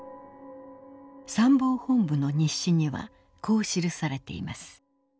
参謀本部の日誌にはこう記されています。